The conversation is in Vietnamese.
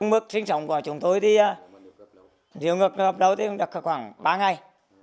mức sinh sống của chúng tôi thì nếu ngược gặp đâu thì khoảng ba ngày